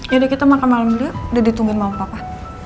yaudah kita makan malam dulu udah ditungguin malam papa